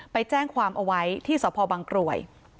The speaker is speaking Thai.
ไปแจ้งความเอาไว้ที่สพบังกรวย